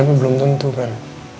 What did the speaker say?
tapi belum tentu kan